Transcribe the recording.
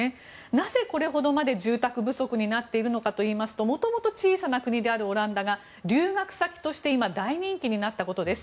なぜこれほどまで住宅不足になっているのかといいますともともと小さな国であるオランダが留学先として今、大人気になったことです。